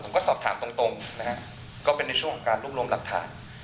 ก็สอบถามตรงนะฮะก็เป็นในช่วงของการรวบรวมหลักฐาน